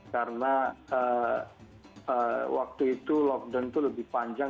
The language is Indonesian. karena waktu itu lockdown itu lebih panjang